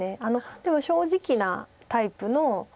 でも正直なタイプの。